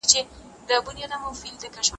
د پالیسۍ تطبیق د بریالیتوب کلید دی.